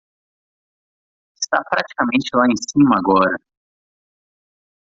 Está praticamente lá em cima agora.